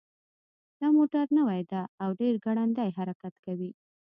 دا موټر نوی ده او ډېر ګړندی حرکت کوي